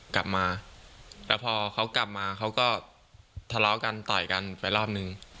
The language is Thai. กลับมาแล้วพอเขากลับมาเขาก็ทะเลาะกันต่อยกันไปรอบนึง